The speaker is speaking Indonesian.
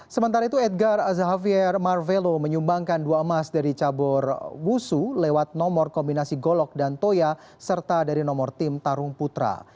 sementara itu edgar azahavier marvelo menyumbangkan dua emas dari cabur wushu lewat nomor kombinasi golok dan toya serta dari nomor tim tarung putra